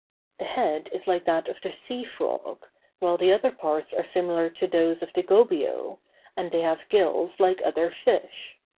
The head is like that of the sea frog, while the other parts are similar to those of the gobio, and they have gills like other fish.